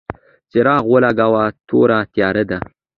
څراغ ولګوه ، توره تیاره ده !